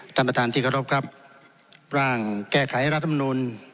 ท่านประธานที่เคารพครับร่างแก้ไขรัฐมนุน